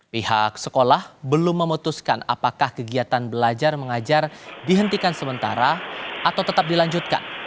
pihak sekolah belum memutuskan apakah kegiatan belajar mengajar dihentikan sementara atau tetap dilanjutkan